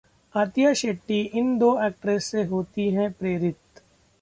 आतिया शेट्टी इन दो एक्ट्रेस से होती हैं प्रेरित...